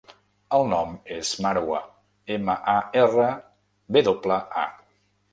El nom és Marwa: ema, a, erra, ve doble, a.